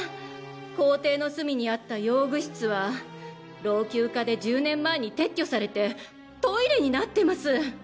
校庭の隅にあった用具室は老朽化で１０年前に撤去されてトイレになってます！